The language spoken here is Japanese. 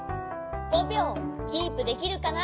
５びょうキープできるかな？